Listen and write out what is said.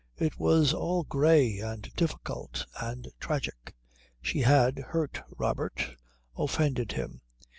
It was all grey and difficult and tragic. She had hurt Robert, offended him.